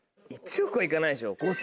１億は行かないでしょ。